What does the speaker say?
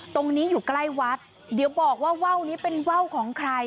ตรงนี้อยู่ใกล้วัดเดี๋ยวบอกว่าว่าวนี้เป็นว่าวของใคร